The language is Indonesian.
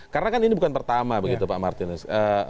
karena kan ini bukan pertama begitu pak martinus